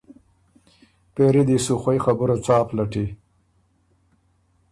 پېری دی شو خوئ خبُره څا پلټي؟